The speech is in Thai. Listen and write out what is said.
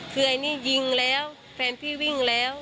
คือไอ้นี่ยิงแล้วแฟนพี่วิ่งแล้ว